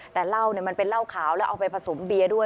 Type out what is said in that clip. แต่เหล้ามันเป็นเหล้าขาวแล้วเอาไปผสมเบียร์ด้วย